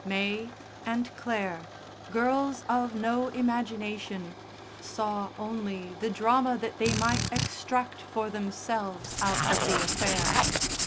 May and Clare, girls of no imagination, saw only the drama that they might extract for themselves out of the affair.